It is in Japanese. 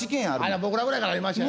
僕らぐらいからありましてね。